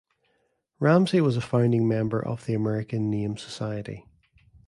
Ramsay was a founding member of the American Name Society.